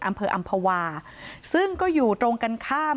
อำเภออำภาวาซึ่งก็อยู่ตรงกันข้าม